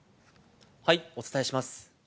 お伝えします。